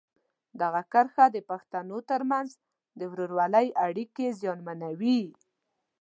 دغه کرښه د پښتنو ترمنځ د ورورولۍ اړیکې زیانمنوي.